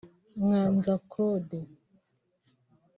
Mwanza Claude